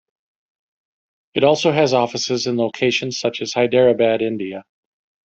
It also has offices in locations such as Hyderabad, India.